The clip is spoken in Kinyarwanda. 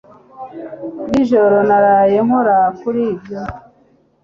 Nijoro naraye nkora kuri ibyo